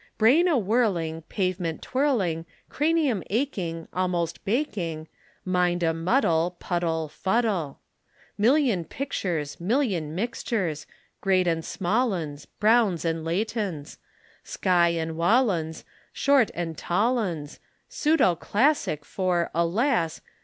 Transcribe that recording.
Brain a whirling, pavement twirling, Cranium aching, almost baking, Mind a muddle, puddle, fuddle. Million pictures, million mixtures, Small and great 'uns, Brown's and Leighton's, Sky and wall 'uns, short and tall 'uns, Pseudo classic for, alas!